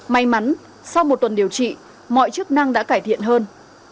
may mắn sau một tuần điều trị mọi chức năng đã cải thiện hơn